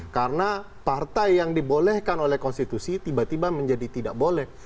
karena partai yang dibolehkan oleh konstitusi tiba tiba menjadi tidak boleh